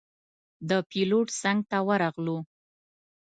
د پېلوټ څنګ ته ورغلو.